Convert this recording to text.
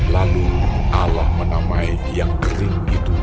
lalu allah menamai yang kering itu